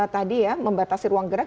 tadi ya membatasi ruang gerak